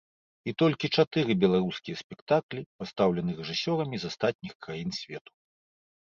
І толькі чатыры беларускія спектаклі пастаўлены рэжысёрамі з астатніх краін свету.